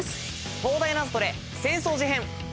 東大ナゾトレ浅草寺編。